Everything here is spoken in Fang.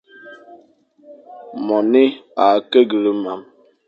Mone a keghle nnam.